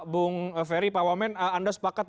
bung ferry pak wamen anda sepakat